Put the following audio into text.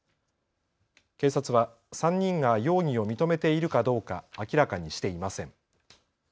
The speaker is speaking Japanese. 警察は３人が容疑を認めているかどうか明らかにしていません。